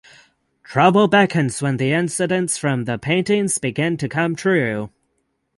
Trouble beckons when the incidents from the paintings begin to come true.